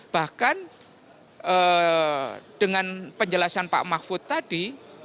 bahkan dengan penjelasan pak mahfud tadi